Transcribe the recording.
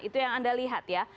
itu yang anda lihat ya